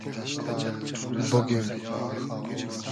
بوگیم